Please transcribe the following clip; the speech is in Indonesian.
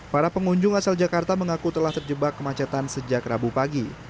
para pengunjung asal jakarta mengaku telah terjebak kemacetan sejak rabu pagi